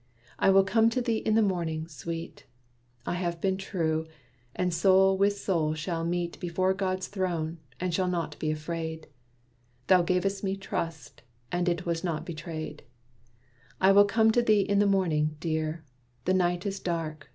"I will come to thee in the morning, sweet! I have been true; and soul with soul shall meet Before God's throne, and shall not be afraid. Thou gav'st me trust, and it was not betrayed. "I will come to thee in the morning, dear! The night is dark.